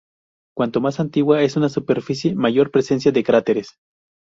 Cuanto más antigua es una superficie, mayor presencia de cráteres.